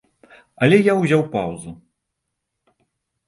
Але я ўзяў паўзу.